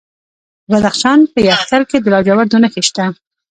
د بدخشان په یفتل کې د لاجوردو نښې شته.